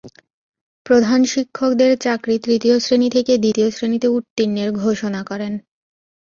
প্রধান শিক্ষকদের চাকরি তৃতীয় শ্রেণি থেকে দ্বিতীয় শ্রেণিতে উত্তীর্ণের ঘোষণা করেন।